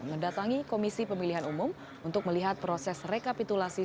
mendatangi komisi pemilihan umum untuk melihat proses rekapitulasi